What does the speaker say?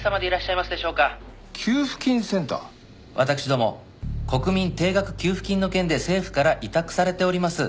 私ども国民定額給付金の件で政府から委託されております。